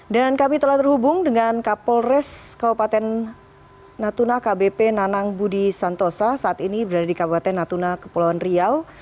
kami telah terhubung dengan kapolres kabupaten natuna kbp nanang budi santosa saat ini berada di kabupaten natuna kepulauan riau